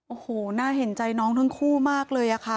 โอ้โหน่าเห็นใจน้องทั้งคู่มากเลยค่ะ